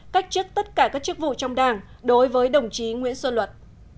cách chức tất cả các chức vụ trong đảng đối với đồng chí nguyễn xuân luật